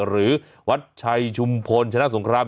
หรือวัดชัยชุมพลชนะสงคราม